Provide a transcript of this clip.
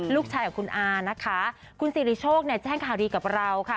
ลูกชายของคุณอานะคะคุณสิริโชคเนี่ยแจ้งข่าวดีกับเราค่ะ